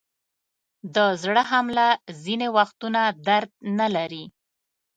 د زړه حمله ځینې وختونه درد نلري.